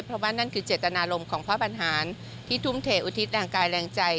เพราะว่านั่นคือเจตนารมณ์ของพระบรรหารที่ทุ่มเทอุทิศแรงกายแรงใจ